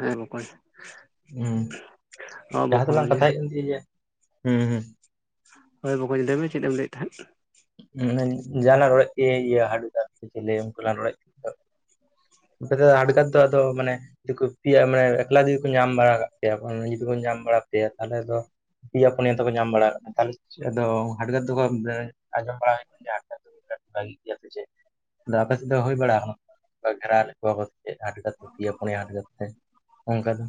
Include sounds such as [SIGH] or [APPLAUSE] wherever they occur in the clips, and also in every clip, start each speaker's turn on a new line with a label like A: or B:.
A: ᱞᱮ ᱢᱚᱠᱚᱧ
B: ᱦᱩᱸ ᱡᱟᱦᱟᱸ ᱛᱮᱞᱟᱝ
A: ᱵᱚᱠᱚᱧ
B: ᱠᱟᱛᱷᱟ ᱦᱮᱡ ᱠᱟᱱ ᱤᱭᱟ ᱦᱩᱸ ᱦᱩᱸ
A: ᱦᱳᱭ ᱵᱚᱠᱚᱧ ᱞᱟᱹᱭ ᱢᱮ ᱪᱮᱫ ᱮᱢ ᱞᱟᱹᱭᱮᱫ ᱛᱟᱦᱮᱸᱫ?
B: ᱡᱟᱦᱟᱸᱟ ᱞᱟ ᱨᱚᱲᱮᱫ ᱛᱮ ᱤᱭᱟᱹ ᱦᱟᱴᱜᱟᱨ ᱥᱮ ᱪᱮᱞᱮ ᱩᱱᱠᱩ ᱞᱟᱝ ᱨᱚᱲᱮᱫ ᱠᱚᱛᱚ ᱟᱯᱮ ᱫᱚ ᱦᱟᱰᱜᱟᱨ ᱫᱚ ᱟᱫᱚ ᱢᱟᱱᱮ ᱡᱩᱫᱤ ᱠᱚ ᱯᱮᱭᱟ ᱢᱟᱱᱮ ᱮᱠᱞᱟ ᱡᱩᱫᱤ ᱠᱚ ᱧᱟᱢ ᱵᱟᱲᱟ ᱠᱟᱜ ᱯᱮᱭᱟ ᱡᱩᱫᱤ ᱵᱚᱱ ᱧᱟᱢ ᱵᱟᱲᱟ ᱯᱮᱭᱟ ᱛᱟᱦᱞᱮ ᱫᱚ ᱯᱤᱭᱟ ᱯᱩᱱᱭᱟ ᱛᱚᱠᱚ ᱧᱟᱢ ᱵᱟᱲᱟ ᱠᱟᱜ ᱠᱚᱣᱟ ᱛᱟᱦᱞᱮ ᱪᱮᱜ ᱟᱫᱚ ᱦᱟᱴᱜᱟᱨ ᱫᱚᱠᱚ ᱟᱸᱡᱚᱢ ᱵᱟᱲᱟ ᱦᱩᱭ ᱠᱟᱱᱟ ᱵᱷᱟᱜᱤ ᱜᱮᱭᱟ ᱥᱮ ᱪᱮᱫ ᱟᱫᱚ ᱟᱯᱮ ᱥᱮᱫ ᱫᱚ ᱦᱩᱭ ᱵᱟᱲᱟ ᱠᱟᱱᱟ ᱜᱷᱮᱨᱟᱣ ᱞᱮᱫ ᱠᱚᱣᱟ ᱠᱚ ᱪᱮᱫ ᱦᱟᱴᱜᱟ ᱛᱮ ᱯᱤᱭᱟ ᱯᱩᱱᱭᱟ ᱦᱟᱴᱜᱟᱨ ᱛᱮ ᱚᱝᱠᱟ ᱫᱚ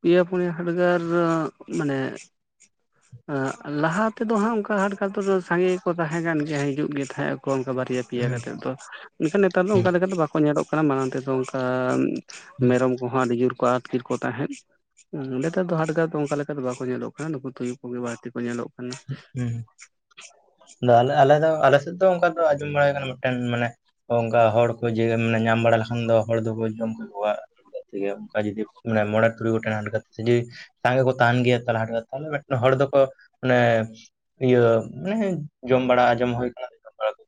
A: ᱯᱤᱭᱟ ᱯᱩᱱᱭᱟ ᱦᱟᱴᱜᱟᱨ ᱢᱟᱱᱮ ᱞᱟᱦᱟ ᱛᱮᱫᱚ ᱦᱟᱸᱜ ᱚᱝᱠᱟ ᱦᱟᱴᱜᱟᱨ ᱫᱚ ᱥᱟᱸᱜᱮ ᱜᱮᱠᱚ ᱛᱟᱦᱮᱸ ᱠᱟᱱ ᱜᱮᱭᱟ ᱦᱤᱡᱩᱜ ᱜᱮ ᱛᱟᱦᱮᱸᱫ ᱠᱚ ᱚᱜᱠᱟ ᱵᱟᱨᱭᱟ ᱯᱮᱭᱟ
B: ᱦᱩᱸ
A: ᱠᱟᱛᱮᱫ ᱫᱚ ᱢᱮᱱᱠᱷᱟᱱ ᱱᱮᱛᱟᱨ ᱫᱚ ᱚᱱᱠᱟ
B: ᱦᱩᱸ
A: ᱞᱮᱠᱟ ᱫᱚ ᱵᱟᱠᱚ ᱧᱮᱞᱚᱜ ᱠᱟᱱᱟ ᱢᱟᱲᱟᱝ ᱛᱮᱫᱚ ᱚᱝᱠᱟ ᱢᱮᱨᱚᱢ ᱠᱚᱦᱚᱸ ᱟᱹᱰᱤ ᱡᱳᱨ ᱠᱚ ᱟᱹᱛᱠᱤᱨ ᱠᱚ ᱛᱟᱦᱮᱸᱫ ᱦᱩᱸ ᱱᱮᱛᱟᱨ ᱫᱚ ᱦᱟᱰᱜᱟᱨ ᱫᱚ ᱚᱝᱠᱟ ᱞᱮᱠᱟ ᱫᱚ ᱵᱟᱠᱚ ᱧᱮᱞᱚᱜ ᱠᱟᱱᱟ ᱱᱩᱠᱩ ᱛᱩᱭᱩ ᱠᱚᱜᱮ ᱵᱟᱹᱲᱛᱤ ᱠᱚ ᱧᱮᱞᱚᱜ ᱠᱟᱱᱟ
B: ᱦᱩᱜ ᱩᱸ ᱟᱞᱮ ᱟᱞᱮ ᱫᱚ ᱟᱞᱮ ᱥᱮᱫ ᱫᱚ ᱚᱝᱠᱟ ᱫᱚ ᱟᱸᱡᱚᱢ ᱵᱟᱲᱟ ᱦᱩᱭ ᱠᱟᱱᱟ ᱢᱮᱫᱴᱮᱱ ᱢᱟᱱᱮ ᱚᱝᱠᱟ ᱦᱚᱲ ᱠᱚ ᱡᱮ ᱢᱟᱱᱮ ᱧᱟᱢ ᱵᱟᱲᱟ ᱞᱮᱠᱷᱟᱱ ᱫᱚ ᱦᱚᱲ ᱫᱚᱠᱚ ᱡᱚᱢ ᱠᱮᱠᱚᱣᱟ ᱜᱮ ᱚᱝᱠᱟ ᱡᱩᱫᱤ ᱢᱚᱬᱮ ᱛᱩᱨᱩᱭ ᱜᱚᱴᱮᱱ ᱦᱟᱰᱜᱟᱨ ᱛᱮ ᱡᱩᱫᱤ ᱥᱟᱸᱜᱮ ᱠᱚ ᱛᱟᱦᱮᱸᱱ ᱜᱮᱭᱟ ᱛᱟᱞᱟ ᱦᱚᱲ ᱫᱚᱠᱚ ᱢᱟᱱᱮ ᱤᱭᱟᱹ ᱢᱟᱱᱮ ᱡᱚᱢ ᱵᱟᱲᱟ ᱟᱸᱡᱚᱢ ᱦᱩᱭ ᱠᱟᱱᱟ ᱵᱟᱲᱟ ᱦᱩᱭ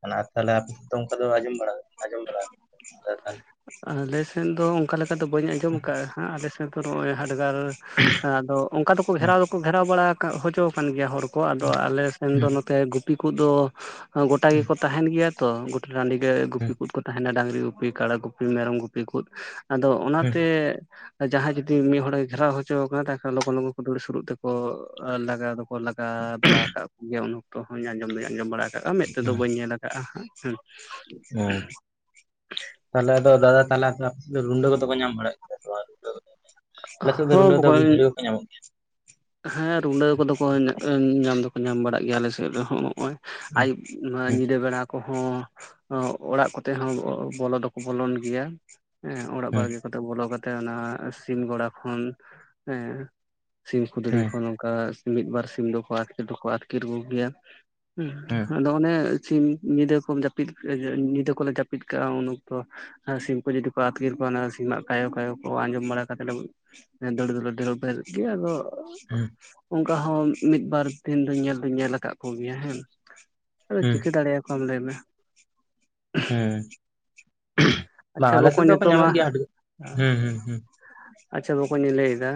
B: ᱠᱟᱱᱟ ᱟᱨ ᱛᱟᱦᱞᱮ ᱟᱯᱮ ᱥᱮᱫ ᱫᱚ ᱚᱱᱠᱟ ᱫᱚ ᱟᱸᱡᱚᱢ ᱵᱟᱲᱟ ᱟᱸᱡᱚᱢ ᱵᱟᱲᱟ
A: [INAUDIBLE]
B: ᱛᱟᱦᱚᱞᱮ
A: ᱟᱞᱮ ᱥᱮᱫ ᱫᱚ ᱚᱝᱠᱟ ᱞᱮᱠᱟ ᱫᱚ ᱵᱟᱹᱧ ᱟᱸᱡᱚᱢ ᱟᱠᱟᱫᱼᱟ ᱦᱟᱸᱜ ᱟᱞᱮᱥᱮᱫ ᱫᱚ ᱱᱚᱜᱼᱚᱭ ᱦᱟᱰᱜᱟᱨ ᱟᱫᱚ ᱚᱝᱠᱟ ᱫᱚᱠᱚ ᱜᱷᱮᱨᱟᱣ ᱫᱚᱠᱚ ᱜᱷᱮᱨᱟᱣ ᱵᱟᱲᱟ ᱦᱚᱪᱚᱣ ᱟᱠᱟᱱ ᱜᱮᱭᱟ ᱦᱚᱲ ᱠᱚ ᱠᱚ ᱟᱫᱚ ᱟᱞᱮ ᱥᱮᱱ ᱫᱚ ᱱᱚᱛᱮ ᱜᱩᱯᱤ ᱠᱚᱫᱚ ᱜᱚᱴᱟ ᱜᱮᱠᱚ ᱛᱟᱦᱮᱸᱱ ᱜᱮᱭᱟ ᱛᱚ᱾ ᱨᱟᱺᱰᱤ ᱜᱮ ᱜᱩᱯᱤ ᱠᱚ ᱠᱚ ᱛᱟᱦᱮᱸᱱᱟ ᱰᱟᱝᱨᱤ ᱜᱩᱯᱤ ᱠᱟᱲᱟ ᱜᱩᱯᱤ ᱢᱮᱨᱚᱢ ᱜᱩᱯᱤ ᱠᱚ᱾ ᱟᱫᱚ ᱚᱱᱟ ᱛᱮ ᱡᱟᱸᱦᱟᱸᱭ ᱡᱩᱫᱤ ᱢᱤᱫ ᱦᱚᱲᱮ ᱜᱷᱮᱨᱟᱣ ᱦᱚᱪᱚ ᱠᱟᱱᱟ ᱛᱟᱦᱚᱞᱮ ᱞᱚᱜᱚᱱ ᱞᱚᱜᱚᱱ ᱠᱚ ᱫᱟᱹᱲ ᱥᱩᱨᱩᱜ ᱛᱮᱠᱚ ᱞᱟᱜᱟ [INAUDIBLE] ᱠᱚ ᱞᱟᱜᱟ ᱵᱟᱲᱟ ᱟᱠᱟᱫ ᱠᱚᱜᱮᱭᱟ ᱩᱱ ᱚᱠᱛᱚ ᱦᱚᱸᱧ ᱟᱸᱡᱚᱢ ᱫᱚᱧ ᱟᱸᱡᱚᱢ ᱵᱟᱲᱟ ᱟᱠᱟᱫᱼᱟ ᱢᱮᱫ ᱛᱮᱫᱚ ᱵᱟᱹᱧ ᱧᱮᱞ ᱟᱠᱟᱫᱼᱟ ᱦᱟᱸᱜ᱾
B: ᱦᱮᱸ᱾ ᱛᱟᱦᱚᱞᱮ ᱟᱫᱚ ᱫᱟᱫᱟ ᱛᱟᱦᱚᱞᱮ ᱟᱯᱮ ᱥᱮᱫ ᱫᱚ ᱨᱩᱸᱰᱟᱹ ᱠᱚᱫᱚ ᱠᱚ ᱧᱟᱢ ᱵᱟᱲᱟᱜ ᱜᱮᱭᱟ ᱥᱮ ᱵᱟᱝ? ᱟᱞᱮ ᱥᱮᱫ ᱫᱚ ᱨᱩᱸᱰᱟᱹ
A: ᱦᱚᱸ
B: ᱫᱚ
A: ᱵᱚᱠᱚᱧ
B: [INAUDIBLE] ᱧᱟᱢᱚᱜ ᱜᱮᱭᱟ᱾
A: ᱦᱮᱸ ᱨᱩᱸᱰᱟᱹ ᱠᱚᱫᱚ ᱠᱚ ᱧᱟᱢ ᱫᱚᱠᱚ ᱧᱟᱢ ᱵᱟᱲᱟᱜ ᱜᱮᱭᱟ ᱟᱞᱮ ᱥᱮᱫ ᱨᱮᱦᱚᱸ ᱱᱚᱜᱚᱭ ᱟᱭᱩᱵ ᱱᱚᱣᱟ ᱧᱤᱫᱟᱹ ᱵᱮᱲᱟ ᱠᱚᱦᱚᱸ᱾ ᱚᱲᱟᱜ ᱠᱚᱛᱮ ᱦᱚᱸ ᱵᱚᱞᱚ ᱫᱚᱠᱚ ᱵᱚᱞᱚᱱ ᱜᱮᱭᱟ᱾ ᱦᱮᱸ ᱚᱲᱟᱜ ᱵᱟᱲᱜᱮ ᱠᱚᱛᱮ ᱵᱚᱞᱚ ᱠᱟᱛᱮᱜ ᱚᱱᱟ ᱥᱤᱢ ᱜᱚᱲᱟ ᱠᱷᱚᱱ ᱦᱮᱸ ᱥᱤᱢ ᱠᱷᱩᱸᱫᱽᱲᱤ
B: ᱦᱩᱸ
A: ᱠᱷᱚᱱ ᱱᱚᱝᱠᱟ ᱢᱤᱫ ᱵᱟᱨ ᱥᱤᱢ ᱫᱚᱠᱚ ᱟᱹᱛᱠᱤᱨ ᱫᱚᱠᱚ ᱟᱹᱛᱠᱤᱨ ᱠᱚᱜᱮᱭᱟ᱾ ᱦᱩᱸ ᱟᱫᱚ ᱚᱱᱮ ᱥᱤᱢ ᱧᱤᱫᱟᱹ ᱠᱚᱢ ᱡᱟᱹᱯᱤᱫ ᱧᱤᱫᱟᱹ ᱠᱚᱞᱮ ᱡᱟᱹᱯᱤᱫ ᱠᱟᱜᱼᱟ ᱩᱱ ᱚᱠᱛᱚ᱾ ᱟᱨ ᱥᱤᱢᱠᱩ ᱡᱩᱫᱤ ᱠᱚ ᱟᱹᱛᱠᱤᱨ ᱠᱚᱣᱟ ᱚᱱᱟ ᱥᱤᱢᱟᱜ ᱠᱟᱭᱚ ᱠᱟᱭᱚ ᱠᱚ ᱟᱸᱡᱚᱢ ᱵᱟᱲᱟ [INAUDIBLE] ᱜᱮᱭᱟ ᱟᱫᱚ
B: ᱦᱩᱸ
A: ᱚᱝᱠᱟ ᱦᱚᱸ ᱢᱤᱫ ᱵᱟᱨ ᱫᱤᱱ ᱫᱩᱧ ᱧᱮᱞ ᱫᱚᱧ ᱧᱮᱞ ᱠᱟᱫ ᱠᱚᱜᱮᱭᱟ ᱦᱮᱸ ᱟᱫᱚ
B: ᱦᱩᱸ
A: ᱪᱤᱠᱟᱹ ᱫᱟᱲᱮ ᱟᱢ ᱞᱟᱹᱭ ᱢᱮ᱾
B: ᱦᱩᱸ ᱵᱟᱝ
A: ᱟᱪᱪᱷᱟ
B: ᱟᱞᱮ ᱥᱮᱫ
A: ᱵᱚᱠᱚᱧ
B: ᱫᱚᱠᱚ
A: ᱱᱤᱛᱚᱜ ᱢᱟ
B: ᱧᱟᱢᱚᱜ ᱜᱮᱭᱟ ᱦᱟᱰᱜᱟᱨ, ᱦᱩᱸ ᱦᱩᱸ ᱦᱩᱸ᱾
A: ᱟᱪᱪᱷᱟ ᱵᱚᱠᱚᱧ ᱤᱧ ᱞᱟᱹᱭᱮᱫᱟ,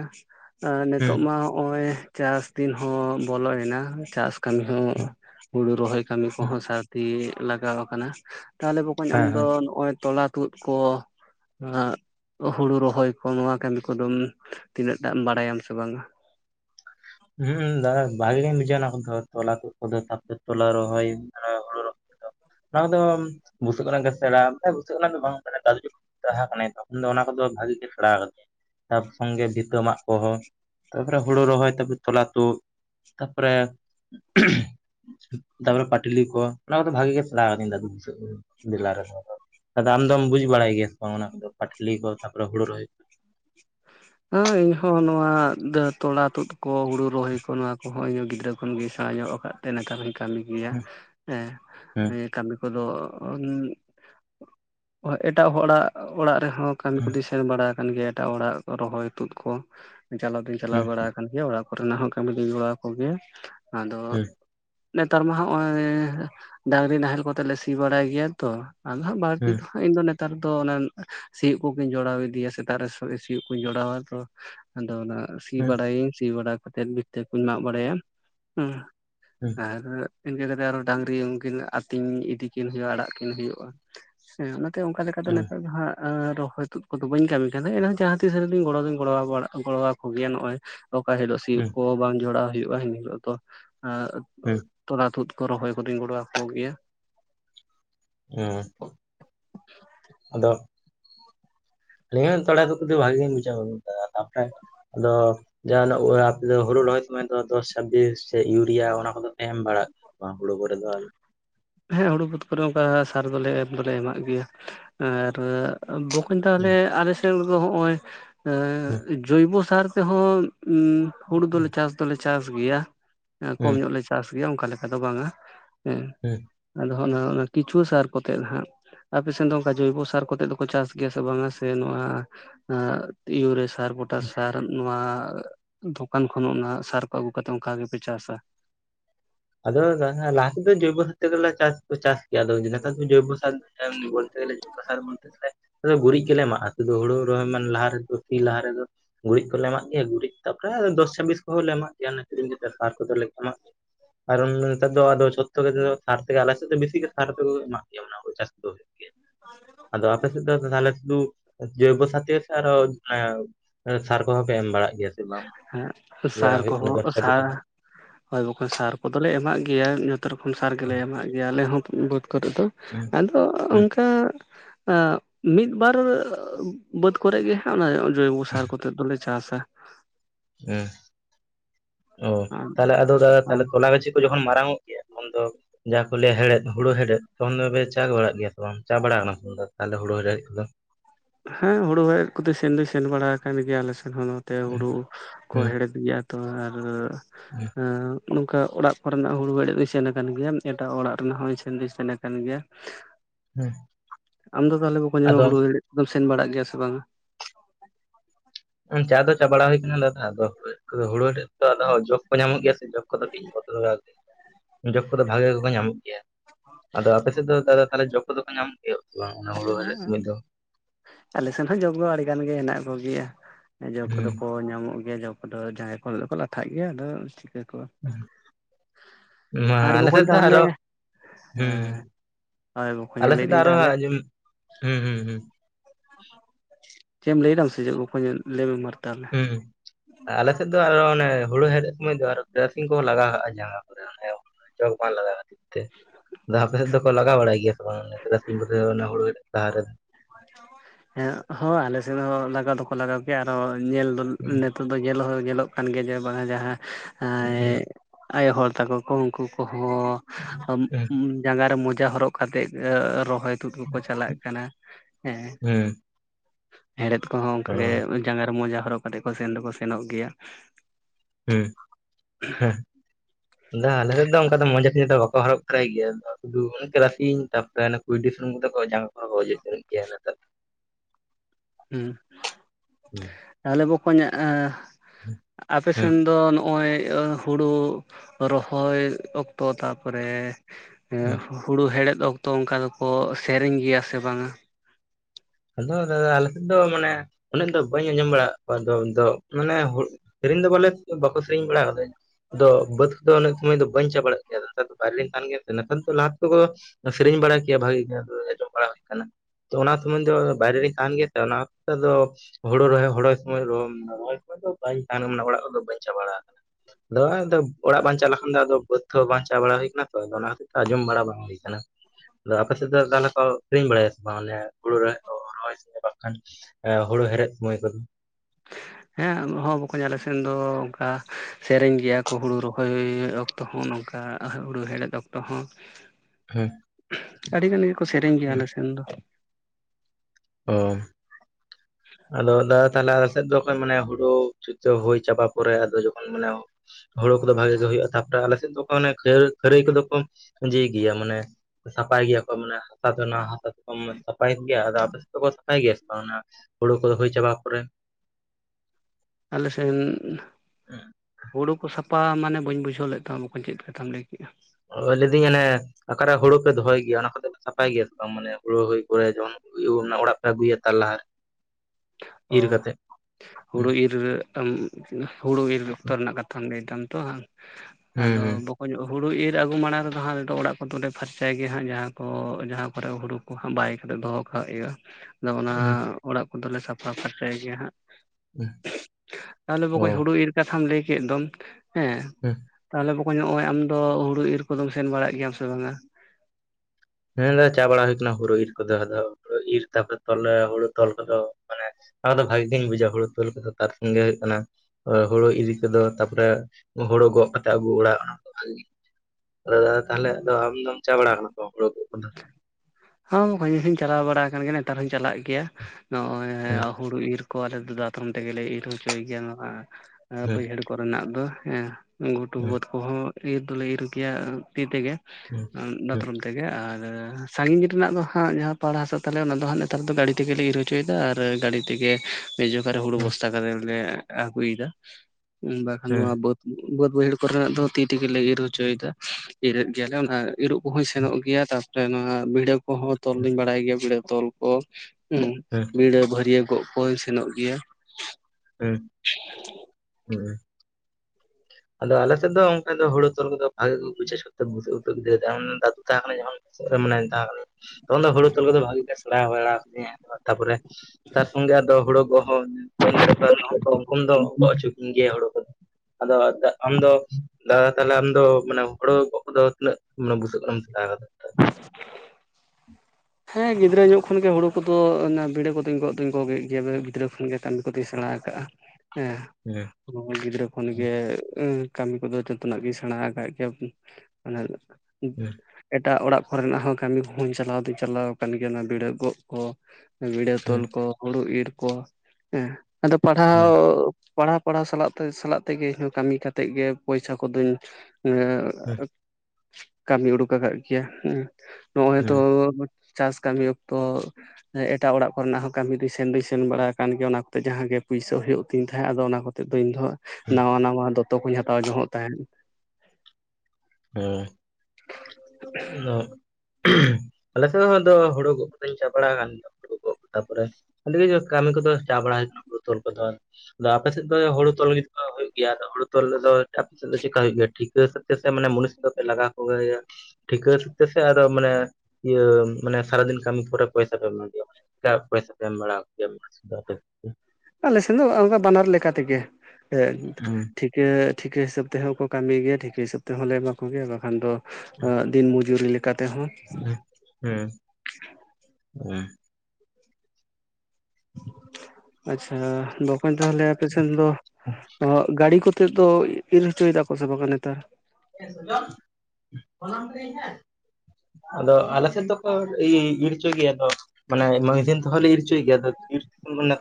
A: ᱮᱸ
B: ᱦᱩᱸ
A: ᱱᱤᱛᱳᱜ ᱢᱟ ᱦᱚᱸᱜᱼᱚᱭ ᱪᱟᱥ ᱫᱤᱱ ᱦᱚᱸ ᱵᱚᱞᱚᱭᱮᱱᱟ ᱪᱟᱥ ᱠᱟᱹᱢᱤ ᱦᱚᱸ
B: ᱦᱩᱸ
A: ᱦᱩᱲᱩ ᱨᱚᱦᱚᱭ ᱠᱟᱹᱢᱤ
B: ᱦᱩᱸ
A: ᱠᱚᱦᱚᱸ ᱥᱟᱨ ᱛᱤ ᱞᱟᱜᱟᱣ ᱟᱠᱟᱱᱟ, ᱛᱟᱦᱚᱞᱮ ᱵᱚᱠᱚᱧ
B: ᱦᱮᱸ
A: ᱟᱢᱫᱚ
B: ᱦᱮᱸ
A: ᱱᱚᱜᱼᱚᱭ ᱛᱚᱞᱟ ᱛᱩᱫ ᱠᱚ ᱦᱟᱸᱜ ᱦᱩᱲᱩ ᱨᱚᱦᱚᱭ ᱠᱚ ᱱᱚᱣᱟ ᱠᱟᱹᱢᱤ ᱠᱚᱫᱚᱢ ᱛᱤᱱᱟᱹᱜ ᱴᱟᱜ ᱮᱢ ᱵᱟᱲᱟᱭᱟᱢ ᱥᱮ ᱵᱟᱝ-ᱟ?
B: ᱦᱩᱸ ᱫᱟᱫᱟ ᱵᱷᱟᱜᱮ ᱜᱤᱧ ᱵᱩᱡᱷᱟᱹᱣ ᱚᱱᱟ ᱠᱚᱫᱚ ᱛᱚᱞᱟ ᱛᱩᱫ ᱠᱚᱫᱚ ᱛᱟᱯᱚᱨᱮ ᱛᱚᱞᱟ ᱨᱚᱦᱚᱭ ᱦᱮᱸ ᱦᱩᱲᱩ ᱨᱚᱦᱚᱭ ᱫᱚ, ᱚᱱᱟ ᱠᱚᱫᱚ [INAUDIBLE] ᱥᱮᱬᱟ᱾ [INAUDIBLE] ᱤᱧ ᱫᱚ ᱚᱱᱟ ᱠᱚᱫᱚ ᱵᱷᱮᱜᱮ ᱜᱮᱧ ᱥᱮᱬᱟ ᱟᱠᱟᱫᱤᱧ᱾ ᱛᱟᱨ ᱥᱚᱸᱝᱜᱮ ᱵᱷᱤᱛᱟᱹ ᱢᱟᱜ ᱠᱚᱦᱚᱸ ᱛᱟᱯᱚᱨᱮ ᱦᱩᱲᱩ ᱨᱚᱦᱚᱭ [INAUDIBLE] ᱛᱚᱞᱟ ᱛᱳᱫ, ᱛᱟᱯᱚᱨᱮ [INAUDIBLE] ᱛᱟᱯᱚᱨᱮ ᱯᱟᱴᱞᱤ ᱠᱚ, ᱚᱱᱟ ᱠᱚᱫᱚ ᱵᱷᱟᱜᱮ ᱜᱮ ᱥᱮᱬᱟ ᱠᱟᱹᱫᱤᱧ ᱫᱟᱫᱩ [INAUDIBLE] [INAUDIBLE] ᱨᱮ ᱫᱚ ᱟᱢ ᱫᱚᱢ ᱵᱩᱡ ᱵᱟᱲᱟᱭ ᱜᱮᱭᱟ ᱥᱮ ᱵᱟᱝ ᱚᱱᱟᱠᱚᱫᱚ ᱯᱟᱴᱞᱤ ᱠᱚ ᱛᱟᱯᱚᱨ ᱦᱩᱲᱩ ᱨᱚᱦᱚᱭ
A: ᱦᱮᱸ ᱤᱧ ᱦᱚᱸ ᱱᱚᱣᱟ ᱛᱚᱞᱟ ᱛᱩᱫ ᱠᱚ ᱦᱩᱲᱩ ᱨᱚᱦᱚᱭ ᱠᱚ ᱱᱚᱣᱟ ᱠᱚᱦᱚᱸ ᱤᱧ ᱦᱚᱸ ᱜᱤᱫᱽᱨᱟᱹ ᱛᱚᱠᱷᱚᱱ ᱜᱮᱧ ᱥᱮᱬᱟ ᱧᱚᱜ ᱠᱟᱫᱛᱮ ᱱᱮᱛᱟᱨ ᱦᱚᱧ ᱠᱟᱹᱢᱤ ᱜᱮᱭᱟ
B: ᱦᱩᱸ
A: ᱦᱮᱸ
B: ᱦᱩᱸ
A: ᱠᱟᱹᱢᱤ ᱠᱚᱫᱚ, ᱮᱴᱟᱜ ᱦᱚᱲᱟᱜ ᱚᱲᱟᱜ ᱨᱮᱦᱚᱸ ᱠᱟᱹᱢᱤ ᱠᱚ
B: ᱦᱩᱸ
A: ᱫᱤᱥᱟᱹ ᱥᱮᱱ ᱵᱟᱲᱟ ᱟᱠᱟᱱ ᱜᱮᱭᱟ ᱮᱴᱟᱜ ᱦᱚᱲᱟᱜ ᱨᱚᱦᱚᱭ ᱛᱩᱫ ᱠᱚ, ᱪᱟᱞᱟᱣ ᱫᱩᱧ ᱪᱟᱞᱟᱣ
B: ᱦᱩᱸ
A: ᱵᱟᱲᱟ ᱟᱠᱟᱱ [INAUDIBLE] ᱚᱲᱟᱜ ᱠᱚᱨᱮᱱᱟᱜ ᱦᱚᱸ ᱠᱟᱹᱢᱤ ᱫᱚᱧ ᱜᱚᱲᱚ ᱟᱠᱚ ᱜᱮᱭᱟ ᱟᱫᱚ
B: ᱦᱩᱸ
A: ᱱᱮᱛᱟᱨ ᱢᱟ ᱦᱚᱸᱜᱼᱚᱭ ᱰᱟᱹᱝᱨᱤ ᱱᱟᱦᱮᱞ ᱠᱚᱛᱮᱞᱮ ᱥᱤ ᱵᱟᱲᱟᱭ ᱜᱮᱭᱟ ᱛᱚ᱾ ᱟᱫᱚ ᱦᱟᱸᱜ ᱵᱟᱨ
B: ᱦᱩᱸ
A: [INAUDIBLE] ᱤᱧ ᱫᱚ ᱱᱮᱛᱟᱨ ᱫᱚ ᱚᱱᱮ ᱥᱤᱭᱚᱜ ᱠᱚᱜᱮᱧ ᱡᱚᱲᱟᱣ ᱤᱫᱤᱭᱟ ᱥᱮᱛᱟᱜ ᱨᱮ [INAUDIBLE] ᱥᱤᱭᱚᱜ ᱠᱩᱧ ᱡᱚᱲᱟᱣᱟ ᱛᱚ ᱟᱫᱚ ᱚᱱᱟ ᱥᱤ
B: ᱦᱩᱸ
A: ᱵᱟᱲᱟᱭ ᱤᱧ ᱥᱤ ᱵᱟᱲᱟ ᱠᱟᱛᱮᱫ [INAUDIBLE] ᱠᱚᱧ ᱢᱟᱜ ᱵᱟᱲᱟᱭᱟ,
B: ᱦᱩᱸ
A: ᱟᱨ ᱤᱱᱠᱟᱹ ᱠᱟᱛᱮᱫ ᱟᱨᱚ ᱰᱟᱝᱨᱤ ᱩᱱᱠᱤᱱ ᱟᱹᱛᱤᱧ ᱤᱫᱤ ᱠᱤᱱ ᱦᱩᱭᱩᱜᱼᱟ ᱟᱲᱟᱜ ᱠᱤᱱ ᱦᱩᱭᱩᱜᱼᱟ᱾ ᱦᱮᱸ ᱚᱱᱟᱛᱮ ᱚᱱᱠᱟ ᱞᱮᱠᱟ ᱫᱚ
B: ᱦᱩᱸ
A: ᱱᱤᱛᱚᱜ ᱫᱚ ᱦᱟᱸᱜ ᱨᱚᱦᱚᱭ ᱛᱩᱫ ᱠᱚᱫᱚ ᱵᱟᱹᱧ ᱠᱟᱹᱢᱤ ᱠᱟᱱᱟ ᱮᱱᱟᱝ ᱡᱟᱸ ᱛᱤᱥ ᱨᱮᱫᱚ ᱜᱚᱲᱚ ᱫᱚᱧ ᱜᱚᱲ ᱜᱚᱲᱚ ᱟᱠᱚ ᱜᱮᱭᱟ ᱱᱚᱜ-ᱚᱭ ᱚᱠᱟ ᱦᱤᱞᱳᱜ ᱥᱤᱭᱳᱜ
B: ᱦᱩᱸ
A: ᱠᱚ ᱵᱟᱝ ᱡᱚᱲᱟᱣ ᱦᱩᱭᱩᱜᱼᱟ ᱮᱱ ᱦᱤᱞᱚᱜ᱾ ᱛᱚ ᱮ
B: ᱦᱩᱸ
A: ᱛᱚᱞᱟ ᱛᱩᱫ ᱠᱚ ᱨᱚᱦᱚᱭ ᱠᱚᱫᱚᱧ ᱜᱚᱲᱚ ᱟᱠᱚ ᱜᱮᱭᱟ ᱾
B: ᱦᱮᱸ ᱟᱫᱚ ᱟᱹᱞᱤᱧ ᱦᱚᱸ ᱛᱚᱲᱟ ᱛᱩᱫ ᱠᱚ ᱵᱷᱟᱹᱜᱤᱧ ᱵᱩᱡᱷᱟᱹᱣᱟ ᱢᱮᱱᱫᱟ ᱛᱟᱯᱚᱨᱮ ᱟᱫᱚ ᱡᱟ ᱚᱱᱟ ᱳᱜ ᱟᱯᱮ ᱫᱚ ᱦᱩᱲᱩ ᱨᱚᱦᱚᱭ ᱥᱚᱢᱚᱭ ᱫᱚ ᱫᱚᱥ ᱪᱷᱟᱵᱵᱤᱥ ᱥᱮ ᱭᱩᱨᱤᱭᱟ ᱚᱱᱟ ᱠᱚᱫᱚ ᱯᱮ ᱮᱢ ᱵᱟᱲᱟᱜᱼᱟᱼᱼ ᱵᱟᱝ ᱦᱳᱲᱳ ᱠᱚᱨᱮ ᱫᱳᱭ
A: ᱦᱮᱸ ᱦᱩᱲᱩ ᱵᱟᱹᱫᱽ ᱠᱚᱨᱮ ᱚᱱᱠᱟ ᱥᱟᱨ ᱫᱚᱞᱮ ᱮᱢ ᱫᱚᱞᱮ ᱮᱢᱟᱜ ᱜᱮᱭᱟ ᱟᱨ ᱵᱚᱠᱚᱧ ᱛᱟᱦᱚᱸᱞᱮ ᱟᱞᱮᱥᱮᱫ ᱫᱚ ᱦᱚᱜ-ᱚᱭ
B: ᱦᱩᱸ
A: ᱮ ᱡᱚᱭᱵᱚ ᱥᱟᱨ ᱛᱮᱦᱚᱸ ᱩᱸ ᱦᱩᱲᱩ ᱫᱚᱞᱮ ᱪᱟᱥ ᱫᱚᱞᱮ ᱪᱟᱥ ᱜᱮᱭᱟ ᱠᱚᱢ
B: ᱦᱩᱸ
A: ᱧᱚᱜ ᱞᱮ ᱪᱟᱥ ᱜᱮᱭᱟ ᱚᱱᱠᱟ ᱞᱮᱠᱟ ᱫᱚ ᱵᱟᱝᱟ ᱦᱮᱸ᱾
B: ᱦᱮᱸ᱾
A: ᱟᱫᱚ ᱦᱚᱜ-ᱱᱟ ᱠᱤᱪᱷᱩ ᱥᱟᱨ ᱠᱚᱛᱮ ᱦᱟᱸᱜ᱾ ᱟᱯᱮ ᱥᱮᱱ ᱫᱚ ᱚᱱᱠᱟ ᱡᱚᱭᱵᱚ ᱥᱟᱨ ᱠᱚᱛᱮᱜ ᱫᱚᱠᱚ ᱪᱟᱥ ᱜᱮᱭᱟ ᱥᱮ ᱵᱟᱝᱟ ᱥᱮ ᱱᱚᱣᱟ ᱮ ᱭᱩᱨᱮ ᱥᱟᱨ ᱯᱚᱴᱟᱥ ᱥᱟᱨ ᱱᱚᱣᱟ ᱫᱚᱠᱟᱱ ᱠᱷᱚᱱ ᱚᱱᱟ ᱥᱟᱨ ᱠᱚ ᱟᱹᱜᱩ ᱠᱟᱛᱮᱜ ᱚᱱᱠᱟ ᱜᱮᱯᱮ ᱪᱟᱥᱟ᱾
B: ᱟᱫᱚ ᱫᱟᱫᱟ ᱦᱮᱸ ᱞᱟᱦᱟ ᱛᱮᱫᱚ ᱡᱚᱭᱵᱚ ᱥᱚᱛ ᱛᱮᱜᱮ ᱪᱟᱥ ᱠᱚ ᱪᱟᱥ ᱜᱮᱭᱟ ᱟᱫᱚ ᱱᱮᱛᱟᱨ ᱫᱚ ᱡᱟᱹᱭᱵᱽ ᱥᱟᱨ [UNINTELLIGIBLE] ᱜᱩᱨᱤᱡ ᱜᱮᱞᱮ ᱮᱢᱟᱜ-ᱟ᱾ ᱥᱩᱫᱩ ᱦᱩᱲᱩ ᱨᱚᱦᱚᱭ ᱢᱟᱱ ᱞᱟᱦᱟᱫᱚ ᱥᱤ ᱞᱟᱦᱟ ᱨᱮᱫᱚ ᱜᱩᱨᱤᱡ ᱠᱚᱞᱮ ᱮᱢᱟᱜ ᱜᱮᱭᱟ ᱜᱩᱨᱤᱡ ᱛᱟᱯᱚᱨᱮ ᱟᱫᱚ ᱫᱚᱥ ᱪᱷᱟᱵᱽᱵᱤᱥ ᱠᱚᱦᱚᱸ ᱞᱮ ᱮᱢᱟᱜ ᱜᱮᱭᱟ ᱚᱱᱮ ᱠᱤᱨᱤ ᱠᱟᱛᱮ ᱥᱟᱨ ᱠᱚᱫᱚᱞᱮ ᱮᱢᱟᱜ ᱠᱟᱨᱚᱱ ᱱᱮᱛᱟᱨ ᱫᱚ ᱟᱫᱚ [UNINTELLIGIBLE] ᱟᱞᱮ ᱥᱮᱫ ᱫᱚ ᱵᱮᱥᱤ ᱜᱮ ᱥᱟᱨ ᱠᱚᱫᱞᱮ ᱮᱢᱟᱜ ᱜᱮᱭᱟ᱾ ᱦᱩᱲᱩ ᱪᱟᱥ ᱠᱚᱫᱚ ᱦᱩᱭᱩᱜ ᱜᱮᱭᱟ, ᱟᱫᱚ ᱟᱯᱮ ᱥᱮᱫ ᱫᱚ ᱛᱟᱦᱚᱸᱞᱮ ᱫᱩ ᱡᱳᱭᱵᱚᱥᱟᱛᱤ ᱦᱚᱸ ᱥᱮ ᱟᱨᱚ ᱢᱟᱱᱮ ᱥᱟᱨ ᱠᱚᱦᱚᱸ ᱯᱮ ᱮᱢ ᱵᱟᱲᱟ-ᱟᱜ ᱜᱮᱭᱟ? ᱥᱮ ᱵᱟᱝ
A: ᱦᱮᱸ
B: ᱡᱟ
A: ᱥᱟᱨ
B: ᱦᱩᱭᱩᱜ ᱠᱟᱱᱟ
A: ᱠᱚᱦᱚᱸ
B: ᱫᱚᱥ
A: ᱥᱟ
B: ᱪᱷᱟᱵᱵᱤᱥ ᱦᱩᱸ
A: ᱦᱳᱭ ᱵᱚᱠᱚ ᱥᱟᱨ ᱠᱚᱫᱚᱞᱮ ᱮᱢᱟᱜ ᱜᱮᱭᱟ ᱱᱮᱛᱟᱨ ᱠᱷᱚᱱ ᱥᱟᱨ ᱜᱮᱞᱮ ᱮᱢᱟᱜ ᱜᱮᱭᱟ ᱟᱞᱮ ᱦᱚᱸ᱾ ᱵᱟᱹᱫᱽ ᱠᱚᱛᱮ ᱫᱚ
B: ᱦᱩᱸ
A: ᱟᱫᱚ ᱛᱚ ᱚᱱᱠᱟ ᱟᱸ ᱢᱤᱫ ᱵᱟᱨ ᱵᱟᱹᱫᱽ ᱠᱚᱨᱮ ᱜᱮ ᱦᱟᱸᱜ ᱚᱱᱟ ᱡᱳᱭᱚᱵᱚ ᱥᱟᱨ ᱠᱚᱛᱮ ᱫᱚᱞᱮ ᱪᱟᱥᱟ
B: ᱦᱮᱸ ᱚ ᱛᱟᱦᱚᱸᱞᱮ ᱟᱫᱚ ᱫᱟᱫᱟ
A: ᱟᱨ
B: ᱛᱟᱦᱚᱸᱞᱮ ᱛᱚᱞᱟ ᱜᱟᱹᱪᱤ ᱛᱚ ᱡᱚᱠᱷᱚᱱ ᱢᱟᱨᱟᱝ-ᱚᱜ ᱜᱮᱭᱟ ᱛᱚᱠᱷᱚᱱ ᱫᱚ ᱡᱟᱦᱟ ᱠᱚ ᱞᱟᱹᱭᱟ ᱦᱮᱲᱦᱮᱸᱫ ᱦᱩᱲᱩ ᱦᱮᱲᱦᱮᱸᱫ ᱛᱠᱷᱚᱱ ᱫᱚ ᱪᱟ ᱵᱟᱲᱟᱜ ᱜᱮᱭᱟ ᱛ ᱵᱟᱝ ᱪᱟᱣᱵᱟᱲᱟ ᱟᱠᱟᱱᱟ ᱛᱟᱦᱚᱸᱞᱮ ᱦᱩᱲᱩ ᱦᱮᱲᱦᱮᱸᱫ ᱠᱚᱫᱚ?
A: ᱦᱮᱸ ᱦᱩᱲᱩ ᱦᱮᱲᱦᱮᱸᱫ ᱠᱚᱛᱮ ᱥᱮᱱ ᱫᱚᱧ ᱥᱮᱱ ᱵᱟᱲᱟ ᱟᱠᱟᱱ ᱜᱮᱭᱟ ᱟᱞᱮ ᱥᱮᱱ ᱦᱚᱸ ᱱᱚᱛᱮ ᱦᱩᱲᱩ ᱠᱚ
B: ᱦᱩᱸ
A: ᱦᱮᱲᱦᱮᱫ ᱜᱮᱭᱟ ᱾ ᱛᱚ ᱟᱨ
B: ᱦᱩᱸ
A: ᱮᱸᱻ᱾ ᱚᱱᱠᱟ ᱚᱲᱟᱜ ᱠᱚᱨᱮᱱᱟᱜ ᱦᱩᱲᱩ ᱦᱮᱲᱦᱮᱸᱫ ᱫᱚᱧ ᱥᱮᱱ ᱟᱠᱟᱱ ᱜᱮᱭᱟ ᱮᱴᱟᱜ ᱚᱲᱟᱜ ᱨᱮᱱᱟᱜ ᱦᱚᱸᱧ ᱥᱮᱱ ᱫᱚᱩᱧ ᱥᱮᱱ ᱟᱠᱟᱱ ᱜᱮᱭᱟ᱾
B: ᱦᱩᱸ
A: ᱟᱢ ᱫᱚ ᱛᱟᱦᱚᱸᱞᱮ ᱵᱟᱠᱚᱧ
B: ᱟᱫᱚ
A: ᱦᱩᱲᱩ ᱦᱮᱲᱦᱮᱸᱫ ᱠᱚᱫᱚᱢ ᱥᱮᱱ ᱵᱟᱲᱟᱜ ᱜᱮᱭᱟ ᱥᱮ ᱵᱟᱝᱟ?
B: ᱪᱟ ᱫᱚ ᱪᱟ ᱵᱟᱲᱟ ᱦᱩᱭ ᱟᱠᱟᱱᱟ ᱫᱟᱫᱟ ᱟᱫᱚ, ᱦᱩᱲᱩ ᱦᱮᱲᱦᱮᱸᱫ ᱠᱚᱫᱚ ᱦᱩᱲᱩ ᱦᱮᱲᱦᱮᱸᱫ ᱠᱚᱫᱚ ᱟᱫᱚ ᱦᱚᱜ ᱡᱚᱜ ᱧᱟᱢᱚᱜ ᱜᱮᱭᱟ ᱡᱚᱠ ᱠᱚᱫ ᱠᱟᱹᱡ ᱤᱧ ᱵᱚᱨᱟᱠᱚᱜᱮᱭᱟ ᱡᱟᱠ ᱠᱚᱫᱚ ᱵᱷᱟᱜᱮ ᱠᱚ ᱧᱟᱢᱚᱜ ᱜᱮᱭᱟ᱾ ᱟᱫᱚ ᱟᱯᱮ ᱥᱮᱫ ᱫᱚ ᱫᱟᱫᱟ ᱛᱟᱦᱚᱸᱞᱮ ᱡᱚᱠ ᱠᱚ ᱫᱚ ᱠᱚ ᱧᱟᱢᱚᱜ ᱜᱮᱭᱟ-ᱟ ᱥᱮ ᱵᱟᱝ ᱚᱱᱟ ᱦᱩᱲᱩ ᱦᱮᱲᱦᱮᱸᱫ ᱥᱚᱢᱚᱭ ᱫᱚ?
A: ᱟᱞᱮ ᱥᱮᱫ ᱦᱚᱸ ᱡᱚᱠ ᱫᱚ ᱟᱹᱰᱤᱜᱟᱱ ᱜᱮ ᱦᱮᱱᱟᱜ ᱠᱚᱜᱮᱭᱟ ᱡᱚᱜ ᱠᱚᱫᱚ
B: ᱦᱩᱸ
A: ᱠᱚ ᱧᱟᱢᱚᱜ ᱜᱮᱭᱟ ᱡᱚᱵ ᱟᱫᱚ ᱡᱟᱸᱦᱟᱭ ᱠᱚᱨᱮ ᱫᱚᱠᱚ ᱞᱟᱴᱷᱟᱜ ᱜᱮᱭᱟ ᱟᱫᱚ ᱪᱤᱠᱟᱹ ᱠᱚᱣᱟ ᱾
B: [INAUDIBLE] ᱢᱟ ᱟᱞᱮ ᱥᱮᱫ
A: ᱵᱚᱠᱚᱧ
B: ᱫᱚ
A: ᱛᱟᱦᱚᱞᱮ
B: ᱟᱨᱚ ᱦᱩᱸ
A: ᱦᱮᱸ ᱦᱳᱭ ᱵᱚᱠᱚᱧ
B: ᱟᱞᱮ
A: ᱞᱟᱹᱭ
B: ᱥᱮᱫ ᱫᱚ
A: ᱫᱟᱹᱧ
B: ᱟᱨᱚ [UNINTELLIGIBLE]
A: ᱛᱟᱦᱚᱞᱮ
B: ᱦᱩᱸ ᱦᱩᱸ ᱦᱩᱸ
A: ᱪᱮᱫ ᱮᱢ ᱞᱟᱹᱭᱫᱟ ᱥᱮ ᱪᱮᱫ ᱵᱚᱠᱚᱧ ᱞᱟᱹᱭ ᱢᱮ ᱢᱟᱨ ᱛᱟᱦᱚᱸᱞᱮ
B: ᱦᱩ ᱟᱞᱮ ᱥᱮᱫ ᱫᱚ ᱟᱨᱚ ᱚᱱᱮ ᱦᱩᱲᱩ ᱦᱮᱲᱦᱮᱸᱫ ᱥᱚᱢᱚᱭ ᱫᱚ ᱟᱨᱚ ᱛᱟᱹᱨᱥᱤᱱ ᱠᱚᱦᱚᱸ ᱞᱟᱜᱟᱜ-ᱟ ᱡᱟᱸᱜᱟ ᱠᱚᱨᱮ᱾ [INAUDIBLE] ᱞᱟᱜᱟᱣ ᱾ [INAUDIBLE] ᱟᱫᱚ ᱦᱟᱯᱮ ᱥᱮᱫ ᱫᱚᱠᱚ ᱞᱟᱜᱟᱣ ᱵᱟᱲᱟᱭ ᱜᱮᱭᱟ ᱥᱮ ᱵᱟᱝ ᱛᱟᱨᱟᱥᱤᱧ ᱠᱚᱫᱚ ᱚᱱᱮ ᱦᱩᱲᱩ ᱦᱮᱲᱦᱮᱸᱫ ᱞᱟᱦᱟᱨ ᱨᱮ?
A: ᱦᱮᱸ ᱦᱚᱸ ᱟᱞᱮ ᱥᱮᱫ ᱦᱚᱸ ᱞᱟᱜᱟᱣ ᱫᱚᱠᱚ ᱞᱟᱜᱟᱣ ᱜᱮᱭᱟ ᱟᱨᱚᱦᱚᱸ ᱧᱮᱞ ᱫᱚ
B: ᱦᱩᱸ
A: ᱱᱤᱛᱳᱜ ᱧᱮᱞ ᱦᱚᱸ ᱧᱮᱞᱚᱜ ᱠᱟᱱ ᱜᱮᱭᱟ ᱡᱮ ᱵᱟᱝ ᱡᱟᱦᱟᱸ
B: [UNINTELLIGIBLE]
A: ᱟᱭᱳ ᱦᱚᱲ ᱛᱟᱠᱚ ᱠᱚ, ᱩᱱᱠᱩ ᱠᱚᱦᱚᱸ ᱢ ᱩ ᱡᱟᱸᱜᱟ ᱨᱮ ᱢᱚᱡᱟ ᱦᱚᱨᱚᱜ ᱠᱟᱛᱮᱜ, ᱨᱚᱦᱚᱭ ᱛᱩᱫ ᱠᱚᱠᱚ ᱪᱟᱞᱟᱜ ᱠᱟᱱᱟ ᱦᱮᱸ,
B: ᱦᱩᱸ
A: ᱦᱮᱲᱦᱮᱫ ᱠᱚᱦᱚᱸ ᱚᱱᱠᱟᱜᱮ, ᱡᱟᱸᱜᱟ ᱨᱮ ᱢᱚᱡᱟ ᱦᱚᱨᱚᱜ ᱠᱟᱛᱮᱫ ᱠᱚ ᱥᱮᱱ ᱫᱚᱠᱚ ᱥᱮᱱᱚᱜ ᱜᱮᱭᱟ᱾
B: ᱦᱩᱸ ᱦᱮᱸ ᱟᱫᱟ ᱟᱞᱮᱥᱮᱱ ᱫᱚ ᱚᱱᱠᱟ ᱫᱚ ᱢᱚᱡᱟ ᱯᱷᱚᱡᱟ ᱫᱚ ᱵᱟᱠᱚ ᱦᱚᱨᱚᱜ ᱵᱟᱲᱟᱭ ᱜᱮᱭᱟ, ᱥᱩᱫᱩ ᱚᱱᱮ ᱠᱮᱨᱟᱥᱤᱱ ᱛᱟᱯᱚᱨᱮ ᱚᱱᱮ ᱠᱩᱭᱰᱤ ᱥᱩᱱᱩᱢ ᱠᱚᱛᱮ ᱠᱚ ᱡᱟᱜᱟ ᱠᱚᱨᱮ ᱠᱚ ᱚᱡᱚᱜ ᱡᱚᱱᱚ ᱜᱮᱭᱟ ᱱᱮ
A: ᱦᱩᱸ
B: ᱦᱩᱸ
A: ᱛᱟᱦᱞᱮ ᱵᱚᱠᱚᱧ ᱟ
B: ᱦᱩᱸ
A: ᱟᱯᱮ
B: ᱦᱩᱸ
A: ᱥᱮᱱ ᱫᱚ ᱱᱚᱜᱼᱚᱭ ᱚ ᱦᱩᱲᱩ ᱨᱚᱦᱚᱭ ᱚᱠᱚᱛᱚ, ᱛᱟᱯᱚᱨᱮ ᱮ ᱦᱩᱲᱳ ᱦᱮᱲᱦᱮᱫ ᱚᱠᱛᱚ ᱚᱱᱠᱟ ᱫᱚᱠᱚ ᱥᱮᱨᱮᱧ ᱜᱮᱭᱟ ᱥᱮ ᱵᱟᱝᱟ?
B: ᱟᱫᱚ ᱫᱟᱫᱟ ᱟᱞᱮ ᱥᱮᱫ ᱫᱚ ᱢᱟᱱᱮ, ᱩᱱᱟᱹᱜ ᱫᱚ ᱵᱟᱹᱧ ᱟᱸᱡᱚᱢ ᱵᱟᱲᱟ ᱠᱟᱫ ᱜᱮᱭᱟ ᱟᱫ ᱫᱚ ᱢᱟᱱᱮ ᱦ ᱥᱮᱨᱮᱧ ᱫᱚ ᱵᱚᱞᱮ ᱵᱟᱠᱚ ᱥᱮᱨᱮᱧ ᱵᱟᱲᱟ ᱟᱠᱟᱫᱟ, ᱟᱫᱚ ᱵᱟᱹᱫ ᱠᱚᱫᱚ ᱩᱱᱟᱹᱜ ᱫᱚ ᱩᱱᱟᱜ ᱫᱚ ᱵᱟᱹᱧ ᱪᱟᱵᱟᱲᱟᱜ ᱜᱮᱭᱟ, ᱟᱫᱚ ᱱᱮᱛᱟᱨ ᱫᱚ ᱵᱟᱭᱨᱮᱨᱮᱧ ᱛᱟᱦᱮᱱ ᱜᱮᱭᱟ ᱛᱚ, ᱱᱮᱛᱟᱨ ᱫᱚ ᱞᱟᱦᱟ ᱛᱮᱫᱚ ᱥᱮᱨᱮᱧ ᱵᱟᱲᱟ ᱠᱮᱭᱟ ᱵᱷᱟᱜᱤ ᱜᱮ, ᱟᱸᱡᱚᱢ ᱵᱟᱲᱟ ᱦᱩᱭ ᱠᱟᱱᱟ, ᱛᱚ ᱚᱱᱟ ᱥᱚᱢᱚᱭ ᱫᱚ ᱵᱟᱭᱨᱮ ᱨᱮᱧ ᱛᱟᱦᱮᱱ ᱜᱮᱭᱟ ᱛᱚ, ᱚᱱᱟ ᱦᱚᱛᱮ ᱛᱮ ᱟᱫᱚ ᱦᱳᱲᱩ ᱨᱚᱦᱚᱭ ᱦᱮᱲᱦᱮᱫ ᱥᱚᱢᱚᱭ ᱨᱚᱦᱚᱭ ᱥᱚᱭ ᱫᱚ, ᱵᱟᱹᱧ ᱛᱟᱦᱮ ᱢᱟᱱᱮ ᱚᱲᱟᱜ ᱠᱚᱫᱚ ᱵᱟᱹᱧ ᱪᱟ ᱵᱟᱲᱟ ᱟᱠᱟᱱᱟ᱾ ᱫᱚ ᱟᱫᱚ ᱚᱲᱟᱜ ᱵᱟᱧᱪᱟᱣ ᱞᱮᱠᱷᱟᱱ ᱫᱚ, ᱟᱫᱚ ᱵᱟᱹᱫ ᱠᱚᱦᱚ ᱵᱟᱝ ᱪᱟ ᱵᱟᱲᱟ ᱦᱩᱭ ᱠᱟᱱᱟ ᱛᱚ, ᱟᱫᱚ ᱚᱱᱟ ᱟᱸᱡᱚᱢ ᱵᱟᱲᱟ ᱵᱟᱝ ᱦᱩᱭ ᱠᱟᱱᱟ, ᱟᱫᱚ ᱟᱯᱮ ᱥᱮᱫ ᱫᱚ ᱛᱟᱦᱚᱞᱮ ᱠᱚ ᱥᱮᱨᱮᱧ ᱵᱟᱲᱟᱭᱟ ᱥᱮ ᱵᱟᱝᱞᱮ? ᱦᱩᱲᱩ ᱨᱚᱦᱚᱭ ᱠᱚ ᱨᱚᱦᱚᱭ ᱥᱚᱢᱚᱭ ᱵᱟᱝᱠᱷᱟᱱ, ᱵᱟᱝᱠᱷᱟᱱ ᱦᱩᱲᱩ ᱦᱮᱲᱦᱮᱫ ᱥᱚᱢᱚᱭ ᱠᱚᱫᱚ,
A: ᱦᱮᱸᱦᱚᱸ ᱵᱟᱠᱚᱧ ᱟᱞᱮ ᱥᱮᱱ ᱫᱚ ᱚᱱᱠᱟ, ᱥᱮᱨᱮᱧ ᱜᱮᱭᱟ ᱠᱚ ᱦᱩᱲᱩ ᱨᱚᱦᱚᱭ ᱚᱠᱛᱚ ᱚᱠᱛᱚ ᱦᱚᱸ ᱱᱚᱝᱠᱟ ᱦᱩᱲᱩ ᱦᱮᱲᱦᱮᱫ ᱚᱠᱛᱚ ᱦᱚᱸ,
B: ᱦᱮᱸ
A: ᱟᱹᱰᱤᱜᱟᱱ ᱜᱮᱠᱚ ᱥᱮᱨᱮᱧ ᱜᱮᱭᱟ, ᱟᱞᱮ ᱥᱮᱱ ᱫᱚ᱾
B: ᱚ ᱟᱫᱚ ᱫᱟᱫᱟ ᱛᱟᱦᱚᱞᱮ ᱟᱞᱮ ᱥᱮᱫ ᱫᱚ ᱠᱷᱟᱱ ᱢᱟᱱᱮ ᱦᱩᱲᱩ ᱪᱷᱪᱟᱹ ᱦᱳᱭ ᱪᱟᱵᱟ ᱯᱚᱨᱮ ᱟᱫᱚ ᱡᱚᱠᱷᱚᱱ ᱢᱟᱱᱮ ᱚ ᱦᱳᱲᱩ ᱠᱚᱫᱚ ᱵᱷᱟᱜᱮ ᱜᱮ ᱦᱩᱭᱩᱜᱼᱟ᱾ ᱛᱟᱯᱚᱨᱮ ᱟᱞᱮ ᱥᱮᱫ ᱫᱚ ᱚᱱᱮ ᱠᱷᱟᱹᱨᱟᱹᱭ ᱠᱚᱫᱚ ᱠᱚ ᱡᱤᱣᱤ ᱜᱮᱭᱟ, ᱢᱟᱱᱮ ᱥᱟᱯᱷᱟᱭ ᱜᱮᱭᱟ ᱠᱚ ᱢᱟᱱᱮ ᱦᱟᱥᱟ ᱫᱚ ᱚᱱᱟ ᱦᱟᱥᱟ ᱛᱮᱠᱚ ᱥᱟᱯᱷᱟᱭᱮᱫ ᱜᱮᱭᱟ, ᱟᱫᱚ ᱟᱯᱮ ᱫᱚᱠᱚ ᱥᱟᱯᱷᱟᱭ ᱜᱮᱭᱟ ᱥᱮ ᱵᱟᱝ, ᱚᱱᱮ ᱦᱩᱲᱩ ᱠᱚ ᱦᱩᱭ ᱪᱟᱵᱟ ᱯᱚᱨᱮ?
A: ᱟᱞᱮ ᱥᱮᱱ ᱦᱩᱲᱩ ᱠᱚ ᱥᱟᱯ ᱯᱟ ᱢᱟᱱᱮ ᱵᱟᱹᱧ ᱵᱩᱡᱷᱟᱹᱣ ᱞᱮᱫ ᱛᱟᱢᱟ ᱵᱚᱠᱚᱧ, ᱪᱮᱫ ᱠᱟᱛᱷᱟᱢ ᱞᱟᱹᱭ ᱠᱮᱜᱼᱟ?
B: ᱚ ᱞᱟᱹᱭ ᱫᱟᱹᱧ ᱚᱱᱮ ᱟᱠᱟᱨᱮ ᱦᱳᱳᱩ ᱯᱮ ᱫᱚᱦᱚᱭ ᱜᱮᱭᱟ, ᱚᱱᱟ ᱠᱚᱫᱚ ᱯᱮ ᱥᱟᱯᱷᱟᱭ ᱜᱮᱭᱟ ᱥᱮ ᱵᱟᱝ? ᱢᱟᱱᱮ ᱦᱩᱲᱩ ᱦᱩᱭ ᱯᱚᱨᱮ ᱡᱮᱢᱚᱱ ᱤᱭᱮ ᱚᱱᱮ ᱚᱲᱟᱜ ᱯᱮ ᱟᱹᱜᱩᱭᱟ ᱛᱟᱨ ᱞᱟᱦᱟᱨᱮ
A: ᱚ
B: ᱤᱨ ᱠᱟᱛᱮᱜ
A: ᱦᱩᱲᱩ
B: ᱦᱩᱸ
A: ᱤᱨ ᱟᱢ ᱦᱩᱲᱩ ᱤᱨ ᱚᱠᱛᱚ
B: ᱦᱩᱸ
A: ᱨᱮᱱᱟᱜ ᱠᱟᱛᱷᱟᱢ ᱞᱟᱹᱭ ᱫᱟᱢ ᱛᱚ, ᱟᱢ
B: ᱦᱩᱸ
A: ᱟᱫᱚ
B: ᱦᱩᱸ
A: ᱵᱚᱠ ᱦᱳᱭ ᱦᱩᱲᱩ ᱤᱨ ᱟᱹᱜᱩ ᱢᱟᱲᱟᱝ ᱨᱮᱫᱚ ᱦᱟᱸᱜ ᱚᱲᱟᱜ ᱠᱚᱫᱚᱞᱮ ᱯᱷᱟᱨᱪᱟᱭ ᱜᱮᱭᱟ ᱦᱟᱸᱜ, ᱡᱟᱦᱟᱸ ᱠᱚ ᱡᱟᱦᱟᱸ ᱠᱚᱨᱮ ᱦᱩᱲᱩ ᱵᱟᱭ ᱠᱟᱛᱮ ᱫᱚᱦᱚ ᱠᱟᱜ ᱦᱩᱭᱩᱜᱼᱟ, ᱟᱫᱚ ᱚᱱᱟ ᱚᱲᱟᱜ ᱠᱚᱫᱚᱞᱮ ᱥᱟᱯᱷᱟ ᱯᱷᱟᱨᱪᱟᱭ ᱜᱮᱭᱟ ᱦᱟᱸᱜ,
B: ᱦᱩᱸ
A: ᱛᱟᱦᱞᱮ
B: ᱚ
A: ᱵᱚᱠᱚᱧ ᱦᱩᱲᱩ ᱤᱨ ᱠᱟᱛᱷᱟᱢ ᱞᱟᱹᱭ ᱠᱮᱫ ᱫᱚᱢ ᱦᱮᱸ,
B: ᱦᱩᱸ
A: ᱛᱟᱦᱚᱞᱮ ᱵᱚᱠᱚᱧ ᱱᱚᱭ ᱟᱢ ᱫᱚ ᱦᱩᱲᱩ ᱤᱨ ᱠᱚᱫᱚᱢ ᱥᱮᱱ ᱵᱟᱲᱟ ᱜᱮᱭᱟᱢ ᱥᱮ ᱵᱟᱝᱟ?
B: ᱦᱮᱸᱫᱟ ᱪᱟ ᱵᱟᱲᱟ ᱦᱩᱭ ᱠᱟᱱᱟ ᱦᱳᱲᱩ ᱤᱨ ᱠᱚᱫ, ᱟᱫᱚ ᱦᱩᱲᱩ ᱤᱨ ᱛᱟᱯᱚᱨᱮ ᱛᱚᱞᱮ ᱦᱩᱲᱩ ᱛᱚᱞ ᱠᱚᱫᱚ ᱢᱟᱱᱮ ᱚᱱᱟ ᱫᱚ ᱵᱷᱟᱜᱤ ᱜᱤᱧ ᱵᱩᱡᱟ ᱦᱩᱲᱩ ᱛᱚᱞ ᱠᱚᱫᱚ, ᱛᱟᱨ ᱥᱚᱝᱜᱮ ᱦᱩᱭᱩᱜ ᱠᱟᱱᱟ ᱦᱳᱲᱳ ᱤᱫᱤ ᱠᱚᱫᱚ, ᱛᱟᱯᱚᱨᱮ ᱦᱳᱲᱩ ᱜᱚᱜ ᱠᱟᱛᱮᱜ ᱟᱹᱜᱩ ᱚᱲᱟᱜ, ᱚᱱᱟ ᱫᱚ ᱵᱷᱟᱜᱮ ᱚ ᱫᱟᱫᱟ ᱛᱟᱦᱚᱞᱮ ᱟᱫᱚ ᱟᱢ ᱫᱚᱢ ᱪᱟ ᱵᱟᱲᱟ ᱠᱟᱱᱟ ᱥᱮ ᱵᱟᱝ ᱦᱩᱲᱩ ᱜᱚᱜ ᱠᱚᱫᱚ?
A: ᱦᱚᱸ ᱵᱚᱠᱚᱧ ᱤᱧ ᱦᱚᱧ ᱪᱟᱞᱟᱣ ᱵᱟᱲᱟ ᱟᱠᱟᱱ ᱜᱮᱭᱟ ᱱᱮᱛᱟᱨ ᱦᱚᱧ ᱪᱟᱞᱟᱜ ᱜᱮᱭᱟ ᱱᱚᱜᱼᱚᱭ
B: ᱦᱮᱸ
A: ᱦᱩᱲᱩ ᱤᱨ ᱠᱚ ᱟᱞᱮ ᱫᱚ ᱫᱟᱛᱨᱚᱢ ᱛᱮᱜᱮᱞᱮ ᱤᱨ ᱦᱚᱪᱚᱭ ᱜᱮᱭᱟ ᱱᱚᱣᱟ
B: ᱦᱮᱸ
A: ᱵᱟᱹᱭᱦᱟᱹᱲ ᱠᱚᱨᱮᱱᱟᱜ ᱫᱚ ᱦᱮᱸ᱾ ᱜᱷᱩᱴᱩ
B: ᱦᱮᱸ
A: ᱵᱟᱹᱫᱽ ᱠᱚᱦᱚᱸ ᱤᱨ ᱫᱚᱞᱮ ᱤᱨ ᱜᱮᱭᱟ ᱛᱤ ᱛᱮᱜᱮ
B: ᱦᱮᱸ
A: ᱫᱟᱛᱨᱚᱢ ᱛᱮᱜᱮ᱾ ᱜᱮ ᱟᱨ ᱥᱟᱺᱜᱤᱧ ᱨᱮᱱᱟᱜ ᱫᱚ ᱦᱟᱸᱜ ᱡᱟᱦᱟᱸ ᱯᱟᱲ ᱦᱟᱥᱟ ᱛᱟᱞᱮ ᱚᱱᱟ ᱫᱚ ᱦᱟᱸᱜ ᱱᱮᱛᱟᱨ ᱫᱚ ᱜᱟᱹᱰᱤ ᱛᱮᱜᱮᱞᱮ ᱤᱨ ᱦᱚᱪᱚᱭᱮᱫᱟ᱾ ᱟᱨ ᱜᱟᱹᱰᱤ ᱛᱮᱜᱮ ᱢᱤᱫ ᱡᱚᱠᱷᱟ ᱨᱮ ᱦᱩᱲᱩ
B: ᱦᱮᱸ
A: ᱵᱚᱥᱛᱟ ᱠᱟᱛᱮᱫ ᱞᱮ ᱟᱹᱜᱩᱭᱮᱫᱟ᱾ ᱵᱟᱠᱷᱟᱱ
B: ᱦᱮᱸ
A: ᱱᱚᱣᱟ ᱵᱟᱹᱫᱽ ᱵᱟᱹᱫᱽ ᱵᱟᱹᱭᱦᱟᱹᱲ ᱠᱚᱨᱮᱱᱟᱜ ᱫᱚ ᱛᱤ ᱛᱮᱜᱮᱞᱮ ᱤᱨ ᱦᱚᱪᱚᱭᱮᱫᱟ ᱤᱨ ᱮᱫ ᱜᱮᱭᱟᱞᱮ ᱚᱱᱟ ᱤᱨᱚᱜ ᱠᱚᱦᱚᱧ ᱥᱮᱱᱚᱜ ᱜᱮᱭᱟ, ᱛᱟᱨᱯᱚᱨᱮ ᱱᱚᱣᱟ ᱵᱤᱸᱰᱟᱹ ᱠᱚᱦᱚᱸ ᱛᱚᱞ ᱫᱚᱧ ᱵᱟᱲᱟᱭ ᱜᱮᱭᱟ ᱵᱤᱸᱰᱟᱹ ᱛᱚᱞ ᱠᱚ। ᱦᱮᱸ᱾ ᱵᱤᱸᱰᱟᱹ ᱵᱷᱟᱹᱨᱭᱟᱹ ᱜᱚᱜ ᱠᱚᱧ ᱥᱮᱱᱚᱜ ᱜᱮᱭᱟ।
B: ᱦᱮᱸ। [UNINTELLIGIBLE] ᱟᱫᱚ ᱟᱞᱮ ᱫᱚ ᱚᱱᱠᱟ ᱫᱚ ᱦᱩᱲᱩ ᱛᱚᱞ ᱠᱚᱫᱚ ᱵᱷᱟᱜᱤ ᱠᱚ ᱵᱩᱡᱷᱟᱹᱣᱟ [UNINTELLIGIBLE] ᱫᱟᱫᱩ ᱛᱟᱦᱮᱸ ᱠᱟᱱᱟ ᱡᱮᱢᱚᱱ ᱼᱼ ᱥᱮᱫ ᱨᱮ ᱢᱚᱱᱮ ᱫᱟᱞ, ᱦᱩᱲᱩ ᱛᱚᱞ ᱠᱚᱫᱚ ᱵᱷᱟᱜᱤ ᱜᱮ ᱥᱮᱬᱟ ᱵᱟᱲᱟ ᱠᱟᱹᱫᱤᱧᱟᱭ। [UNINTELLIGIBLE] ᱛᱟᱯᱚᱨᱮ ᱛᱟᱨ ᱥᱚᱝᱜᱮ ᱟᱫᱚ ᱦᱩᱲᱳ ᱜᱚᱜ ᱦᱚᱸ ᱵᱟᱹᱧ ᱫᱟᱲᱮ ᱠᱚᱣᱟ। ᱛᱚ ᱠᱚᱢ ᱠᱚᱢ ᱫᱚ ᱜᱚᱜ ᱦᱚᱪᱚ ᱼᱼ ᱤᱧ ᱜᱮᱭᱟᱭ ᱦᱩᱲᱩ ᱠᱚ᱾ ᱟᱫᱚ, ᱟᱢ ᱫᱚ ᱼᱼ ᱫᱟᱫᱟ ᱛᱟᱦᱟᱞᱮ ᱟᱢᱫᱚ ᱢᱟᱱᱮ ᱦᱳᱲᱳ ᱜᱚᱜ ᱠᱚᱫᱚ ᱛᱤᱱᱟᱹᱜ ᱢᱟᱱᱮ ᱵᱩᱥᱟᱹᱜ ᱠᱷᱚᱱᱮᱢ ᱥᱮᱬᱟ ᱠᱟᱫᱟ?
A: [UNINTELLIGIBLE] ᱦᱮᱸ ᱜᱤᱫᱽᱨᱟᱹ ᱧᱚᱜ ᱠᱷᱚᱱ ᱜᱮ, ᱦᱩᱲᱩ ᱠᱚᱫᱚ ᱚᱱᱟ ᱵᱤᱸᱰᱟᱹ ᱠᱚᱫᱚᱧ ᱜᱚᱜ ᱫᱚᱧ ᱜᱚᱜᱮᱫ ᱜᱮᱭᱟ ᱜᱤᱫᱽᱨᱟᱹ ᱠᱷᱚᱱ ᱜᱮ ᱠᱟᱹᱢᱤ ᱠᱚᱫᱚᱧ ᱥᱮᱸᱬᱟ ᱟᱠᱟᱜᱼᱟ। ᱦᱮᱸ।
B: ᱦᱮᱸ।
A: ᱜᱤᱫᱽᱨᱟᱹ ᱠᱷᱚᱱ ᱜᱮ ᱠᱟᱹᱢᱤ ᱠᱚᱫᱚ ᱡᱷᱚᱛᱚᱱᱟᱜ ᱜᱤᱧ ᱥᱮᱸᱬᱟ ᱟᱠᱟᱫ ᱜᱮᱭᱟ।
B: ᱦᱩᱸ
A: [UNINTELLIGIBLE] ᱮᱴᱟᱜ ᱚᱲᱟᱜ ᱠᱚᱨᱮᱱᱟᱜ ᱦᱚᱸ ᱠᱟᱹᱢᱤ ᱠᱚᱦᱚᱧ ᱪᱟᱞᱟᱣ ᱫᱚᱧ ᱪᱟᱞᱟᱣ ᱟᱠᱟᱱ ᱜᱮᱭᱟ। ᱚᱱᱟ ᱵᱤᱸᱰᱟᱹ ᱜᱚᱜ ᱠᱚ। ᱵᱤᱰᱟᱹ ᱛᱚᱞ
B: ᱦᱩᱸ
A: ᱠᱚ, ᱦᱩᱲᱩ ᱤᱨ ᱠᱚ ᱦᱮᱸ, ᱟᱫᱚ
B: ᱦᱩᱸ
A: ᱯᱟᱲᱦᱟᱣ ᱯᱟᱲᱦᱟᱣ ᱯᱟᱲᱦᱟᱣ ᱥᱟᱞᱟᱜ ᱛᱮᱜᱮ ᱤᱧᱦᱚᱸ ᱠᱟᱹᱢᱤ ᱠᱟ ᱠᱟᱛᱮᱜ ᱜᱮ ᱯᱚᱭᱥᱟ ᱠᱚᱫᱚᱧ
B: ᱦᱩᱸ ᱦᱩᱸ
A: [UNINTELLIGIBLE] ᱠᱟᱹᱢᱤ ᱩᱰᱩᱠᱟ ᱟᱠᱟᱫ ᱜᱮᱭᱟ ᱦᱮᱸ। ᱱᱚᱜᱼᱚᱭ ᱛᱚ
B: ᱦᱩᱸ
A: ᱼᱼ ᱪᱟᱥ ᱠᱟᱹᱢᱤ ᱚᱠᱛᱚ ᱮᱴᱟᱜ ᱚᱲᱟᱜ ᱠᱚᱨᱮᱱᱟᱜ ᱦᱚᱸ ᱠᱟᱹᱢᱤ ᱫᱚ ᱥᱮᱱ ᱫᱩᱧ ᱥᱮᱱ ᱵᱟᱲᱟ ᱠᱟᱱ ᱜᱮᱭᱟ ᱚᱱᱟ ᱠᱚᱛᱮ ᱡᱟᱦᱟᱸᱜ ᱜᱮ ᱯᱩᱭᱥᱟᱹ ᱦᱩᱭᱩᱜ ᱛᱤᱧ ᱛᱟᱦᱮᱸᱜ, ᱟᱫᱚ ᱚᱱᱟ ᱠᱚ ᱛᱮᱫ ᱫᱚ ᱤᱧ ᱫᱚ ᱦᱟᱸᱜ, ᱱᱟᱣᱟ ᱱᱟᱣᱟ ᱫᱚᱛᱚ ᱠᱚᱧ ᱦᱟᱛᱟᱣ ᱡᱚᱝ-ᱚᱜ ᱛᱟᱦᱮᱸᱫ।
B: ᱦᱩᱸ
A: [UNINTELLIGIBLE]
B: ᱟᱞᱮ ᱥᱮᱫ ᱦᱚᱸ ᱟᱫᱚ ᱦᱩᱲᱩ ᱜᱚᱜ ᱠᱚᱫᱚᱧ ᱪᱟᱵᱟ ᱟᱠᱟᱱ ᱜᱮᱭᱟ। ᱦᱩᱲᱩ ᱜᱚᱜ ᱠᱚ। ᱛᱟᱯᱚᱨᱮ [UNINTELLIGIBLE] ᱠᱟᱹᱢᱤ ᱠᱚᱫᱚ ᱪᱟᱵᱟ ᱵᱟᱲᱟ ᱠᱟᱲᱟ, ᱦᱩᱲᱩ ᱛᱚᱞ ᱠᱚᱫᱚ। ᱟᱫᱚ ᱟᱯᱮ ᱥᱮᱫ ᱫᱚ ᱦᱩᱲᱩ ᱛᱚᱞ ᱦᱩᱭᱩᱜ ᱜᱮᱭᱟ। ᱟᱫᱚ ᱦᱩᱲᱩ ᱛᱚᱞ ᱨᱮᱫᱚ ᱟᱯᱮᱥᱮᱱ ᱫᱚ ᱪᱮᱫᱠᱟ ᱦᱩᱭᱩᱜ ᱜᱮᱭᱟ, ᱴᱷᱤᱠᱟᱹ ᱥᱟᱹᱛ ᱛᱮ ᱥᱮ, ᱢᱟᱱᱮ ᱢᱩᱱᱤᱥ ᱫᱚ ᱯᱮ ᱞᱟᱜᱟᱣ ᱠᱚᱜᱮᱭᱟ? ᱴᱷᱤᱠᱟᱹ ᱥᱟᱹᱛ ᱛᱮ ᱥᱮ? ᱟᱨᱚ ᱢᱟᱱᱮ ᱤᱭᱟᱹ ᱢᱟᱱᱮ ᱥᱟᱨᱟ ᱫᱤᱱ ᱠᱟᱹᱢᱤ ᱯᱚᱨᱮ ᱯᱚᱭᱥᱟ ᱠᱚ ᱮᱢᱟ ᱯᱮᱭᱟ? [UNINTELLIGIBLE] ᱮᱢ ᱵᱟᱲᱟ [UNINTELLIGIBLE]
A: ᱟᱞᱮ ᱥᱮᱱ ᱫᱚ ᱚᱱᱠᱟ ᱵᱟᱱᱟᱨ ᱞᱮᱠᱟ ᱛᱮᱜᱮ, ᱦᱮᱸ
B: ᱦᱩᱸ
A: ᱴᱷᱤᱠ। ᱮᱸᱻ ᱴᱤᱠᱟᱹ ᱴᱷᱤᱠᱟᱹ ᱦᱤᱥᱟᱹᱵᱽ ᱛᱮᱦᱚᱸ ᱠᱚ ᱠᱟᱹᱢᱤ ᱜᱮᱭᱟ। ᱴᱷᱤᱠᱟᱹ ᱦᱤᱥᱟᱹᱵ ᱛᱮᱦᱚᱸ ᱞᱮ ᱮᱢᱟ ᱠᱚ ᱜᱮᱭᱟ। ᱵᱟᱠᱷᱟᱱ ᱫᱚ ᱟᱜ ᱫᱤᱱ ᱢᱚᱡᱩᱨᱤ ᱞᱮᱠᱟ ᱛᱮᱦᱚᱸ।
B: ᱦᱮᱸ, ᱦᱮᱸ ᱦᱮᱸ।
A: ᱟᱪᱪᱷᱟ, ᱵᱚᱠᱚᱧ ᱛᱟᱦᱟᱞᱮ ᱟᱯᱮᱥᱮᱱ ᱫᱚ, ᱜᱟᱹᱰᱤ ᱠᱚᱛᱮᱫ ᱫᱚ ᱤᱨ ᱦᱚᱪᱚᱭ ᱮᱫᱟ ᱠᱚ ᱥᱮ ᱵᱟᱝᱟ ᱱᱮᱛᱟᱨ?
B: [UNINTELLIGIBLE] ᱟᱫᱚ ᱟᱞᱮᱥᱮᱫ ᱫᱚ ᱠᱚ ᱤᱨ ᱦᱚᱪᱚᱭ ᱜᱮᱭᱟ ᱠᱚ। ᱢᱟᱱᱮ ᱢᱮᱥᱤᱱ ᱛᱮᱦᱚᱸ ᱞᱮ ᱤᱨ ᱚᱪᱚᱭ ᱜᱮᱭᱟ। ᱟᱫᱚ [UNINTELLIGIBLE]